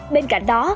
bên cạnh đó